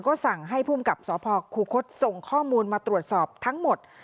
ก็สั่งให้ภูมิกับสพคูคศส่งข้อมูลมาตรวจสอบทั้งหมด